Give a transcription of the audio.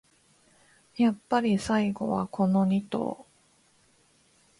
やっぱり最後はこのニ頭